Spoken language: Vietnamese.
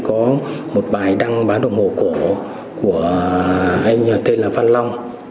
có một bài đăng bán đồng hồ cổ của anh tên là phan long